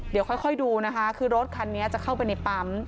เดี๋ยวค่อยดูนะคะคือรถคันนี้จะเข้าไปในปั๊ม